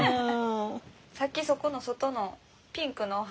さっきそこの外のピンクのお花。